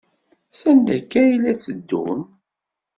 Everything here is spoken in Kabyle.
Sanda akka ay la tteddun?